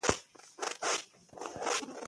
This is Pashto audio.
د تاج محل په يې معلومات ځاى په ځاى کړي دي.